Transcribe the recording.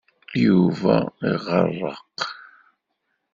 Yuba iɣeṛṛeq.